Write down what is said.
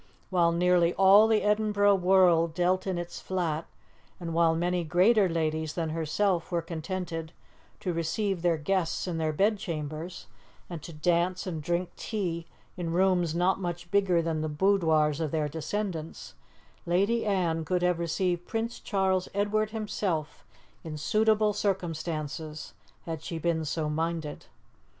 While nearly all the Edinburgh world dwelt in its flat, and while many greater ladies than herself were contented to receive their guests in their bedchambers, and to dance and drink tea in rooms not much bigger than the boudoirs of their descendants, Lady Anne could have received Prince Charles Edward himself in suitable circumstances had she been so minded.